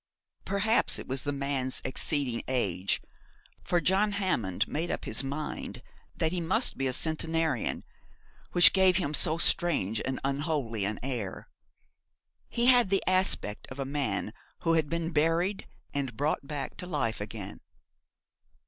Perhaps it was the man's exceeding age, for John Hammond made up his mind that he must be a centenarian, which gave him so strange and unholy an air. He had the aspect of a man who had been buried and brought back to life again.